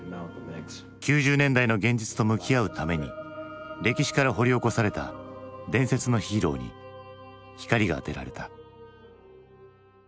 ９０年代の現実と向き合うために歴史から掘り起こされた伝説のヒーローに光が当てられた。